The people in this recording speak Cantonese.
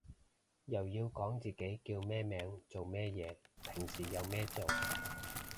又要講自己叫咩名做咩嘢平時有咩做